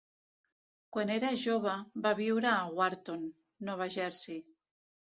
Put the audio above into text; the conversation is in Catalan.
Quan era jove, va viure a Wharton, Nova Jersei.